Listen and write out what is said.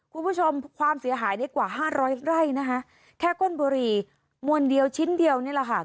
ความเสียหายในกว่าห้าร้อยไร่นะคะแค่ก้นบุหรี่มวลเดียวชิ้นเดียวนี่แหละค่ะ